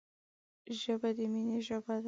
ژبه د مینې ژبه ده